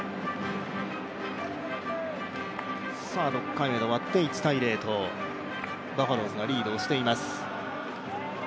６回終わって１−０とバファローズがリードしています。